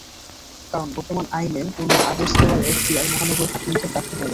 কারণ, বতর্মান আইনে কোনো আদেশ দেওয়ার এখতিয়ার মহানগর হাকিমদের রাখা হয়নি।